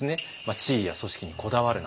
「地位や組織にこだわるな！